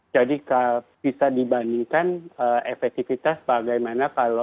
jadi bisa dibandingkan efektifitas bagaimana kalau